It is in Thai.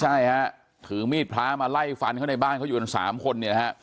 ใช่ฮะถือมีดพระมาไล่ฟันเขาในบ้านเขาอยู่กันสามคนเนี่ยนะฮะ